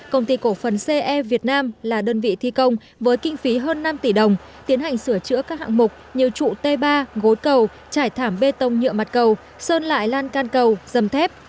công ty cổ phần ce việt nam là đơn vị thi công với kinh phí hơn năm tỷ đồng tiến hành sửa chữa các hạng mục như trụ t ba gối cầu trải thảm bê tông nhựa mặt cầu sơn lại lan can cầu dầm thép